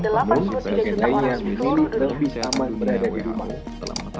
namun bagian lain yang disini lebih aman berada di rumah